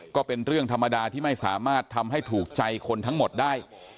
ก็เป็นเรื่องธรรมดาที่ไม่สามารถทำให้ถูกใจคนทั้งหมดได้